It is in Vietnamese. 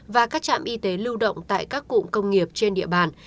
và các trạm y tế lưu động tại các cụm công nghiệp trên địa bàn